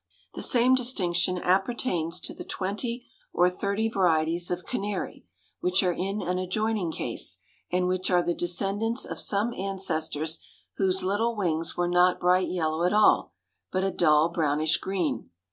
The same distinction appertains to the twenty or thirty varieties of canary, which are in an adjoining case, and which are the descendants of some ancestors whose little wings were not bright yellow at all, but a dull brownish green.